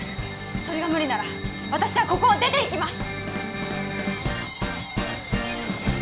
それが無理なら私はここを出ていきます